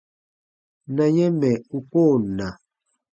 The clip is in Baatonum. Na yɛ̃ mɛ̀ u koo na.